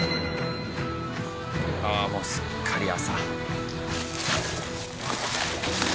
ああもうすっかり朝。